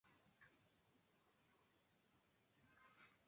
pembe ya pwani afrika mwandishi wetu wa